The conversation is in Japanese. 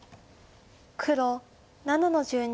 黒７の十二。